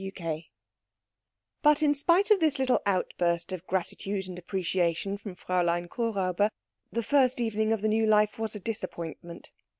CHAPTER XVI But in spite of this little outburst of gratitude and appreciation from Fräulein Kuhräuber, the first evening of the new life was a disappointment.